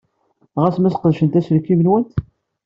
Ɣas ma sqedceɣ aselkim-nwent?